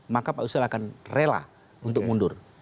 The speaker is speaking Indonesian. maka pak yusril akan rela untuk mundur